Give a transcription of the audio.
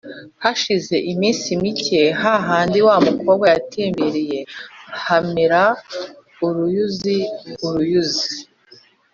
hashize iminsi mike, ha handi wa mukobwa yatebereye hamera uruyuzi. uruyuzi